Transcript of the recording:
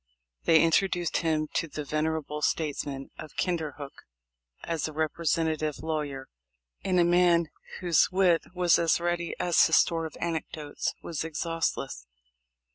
They introduced him to the venerable states man of Kinderhook as a representative lawyer, and a man whose wit was as ready as his store of anec dotes was exhaustless.